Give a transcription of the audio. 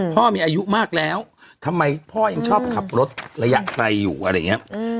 พ่อมีอายุมากแล้วทำไมพ่อยังชอบขับรถระยะไกลอยู่อะไรอย่างนี้